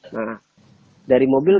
nah dari mobil